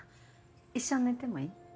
一緒に寝てもいい？